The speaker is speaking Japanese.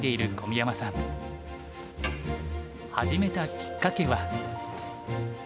始めたきっかけは。